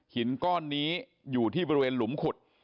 ก้อนนี้อยู่ที่บริเวณหลุมขุด